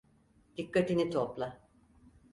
Dikkatini topla!